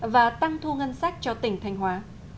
và tăng thu ngân sách cho tỉnh thành hóa